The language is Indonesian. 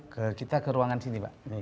ke kita ke ruangan sini pak